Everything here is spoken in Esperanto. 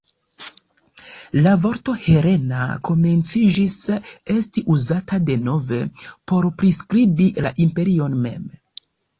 La vorto "Helena" komenciĝis esti uzata denove por priskribi la imperion mem.